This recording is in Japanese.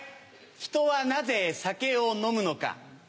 人はなぜ酒を飲むのか？